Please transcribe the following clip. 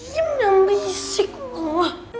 diam dan bisik loh